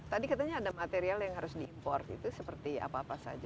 tadi katanya ada material yang harus diimport itu seperti apa apa saja